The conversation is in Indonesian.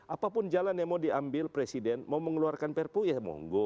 apapun jalan yang mau diambil presiden mau mengeluarkan prpu ya mohon go